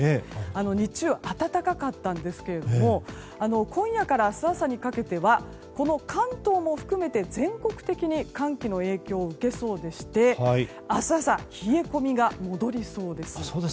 日中、暖かかったんですけれども今夜から明日朝にかけてはこの関東も含めて全国的に寒気の影響を受けそうでして明日朝冷え込みが戻りそうです。